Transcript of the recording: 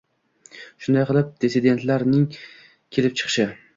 Shunday qilib, “dissidentlar”ning kelib chiqishi